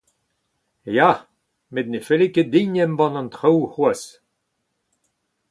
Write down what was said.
Ya, met ne felle ket din embann an traoù c’hoazh.